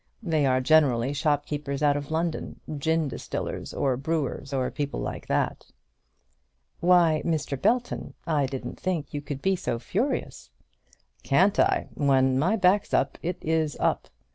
They are generally shopkeepers out of London, gin distillers, or brewers, or people like that." "Why, Mr. Belton, I didn't think you could be so furious!" "Can't I? When my back's up, it is up!